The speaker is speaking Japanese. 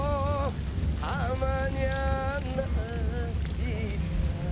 「たまにゃなぁいいさ」